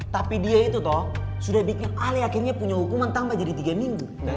tapi dia itu toh sudah bikin ahli akhirnya punya hukuman tambah jadi tiga minggu